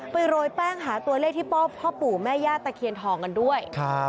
โรยแป้งหาตัวเลขที่ป้อพ่อปู่แม่ย่าตะเคียนทองกันด้วย